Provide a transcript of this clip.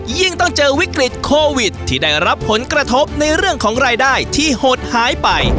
ยิ่งต้องเจอวิกฤตโควิดที่ได้รับผลกระทบในเรื่องของรายได้ที่หดหายไป